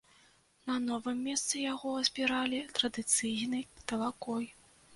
На новым месцы яго збіралі традыцыйнай талакой.